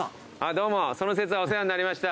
どうもその節はお世話になりました。